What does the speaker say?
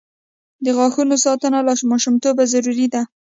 د غاښونو ساتنه له ماشومتوبه ضروري ده.